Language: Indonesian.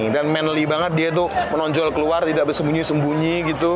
dan manly banget dia tuh menonjol keluar tidak bersembunyi sembunyi gitu